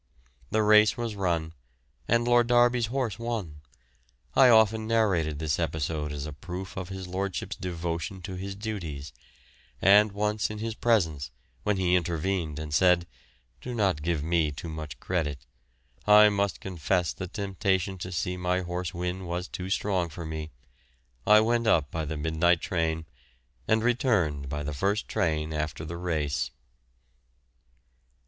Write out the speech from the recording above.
The race was run, and Lord Derby's horse won. I often narrated this episode as a proof of his lordship's devotion to his duties, and once in his presence, when he intervened and said: "Do not give me too much credit; I must confess the temptation to see my horse win was too strong for me. I went up by the midnight train, and returned by the first train after the race."